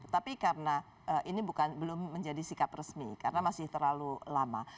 tapi karena ini belum menjadi sikap resmi karena masih terlalu lama